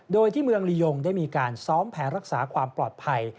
โดยที่เมืองลียงได้มีการซ้อมแผนรักษาความปลอดภัย